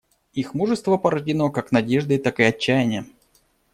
Их мужество порождено как надеждой, так и отчаянием.